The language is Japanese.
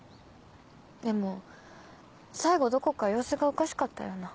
でも最後どこか様子がおかしかったような。